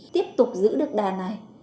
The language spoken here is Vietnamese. tiếp tục giữ được đàn này